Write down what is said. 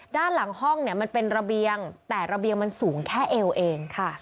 ด้านหลังห้องเนี่ยมันเป็นระเบียงแต่ระเบียงมันสูงแค่เอวเองค่ะ